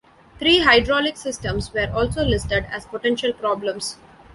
Three hydraulic systems were also listed as potential problems.